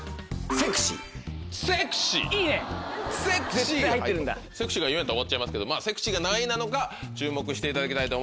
「セクシー」が４位やったら終わっちゃいますけど「セクシー」が何位なのか注目していただきたいと思います。